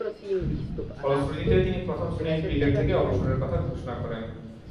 ফলশ্রুতিতে তিনি প্রথম-শ্রেণীর ক্রিকেট থেকে অবসরের কথা ঘোষণা করেন।